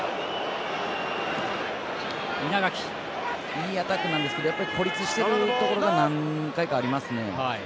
いいアタックなんですけどやっぱり孤立してるところが何回かありますね。